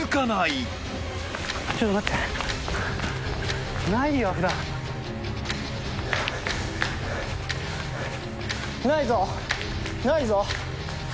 ないぞ。